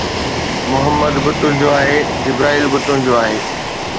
محمد به تنهنجو آهي، جبرائيل به تنهنجو آهي